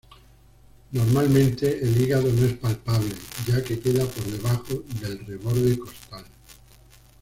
Normalmente el hígado no es palpable, ya que queda por debajo del reborde costal.